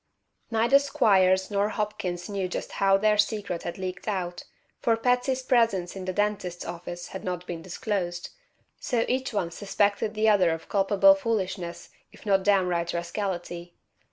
Neither Squiers nor Hopkins knew just how their secret had leaked out, for Patsy's presence in the dentist's office had not been disclosed; so each one suspected the other of culpable foolishness if not downright rascality.